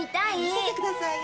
見せてくださいよ。